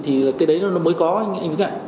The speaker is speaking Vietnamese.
thì cái đấy nó mới có anh với cạnh